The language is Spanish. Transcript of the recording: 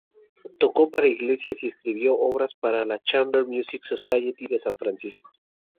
Tocó para iglesias y escribió obras para la Chamber Music Society de San Francisco.